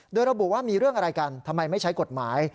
โดยระบุว่ามีเรื่องอะไรกันทำไมไม่ใช้กฎหมาย